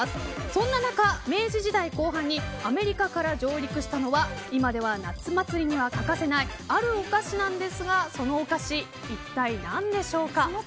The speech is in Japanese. そんな中、明治時代後半にアメリカから上陸したのは今では夏祭りには欠かせないあるお菓子なんですがそのお菓子、一体何でしょうか。